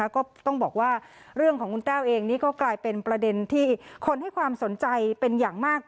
ก็ต้องบอกว่าเรื่องของคุณแต้วเองนี่ก็กลายเป็นประเด็นที่คนให้ความสนใจเป็นอย่างมาก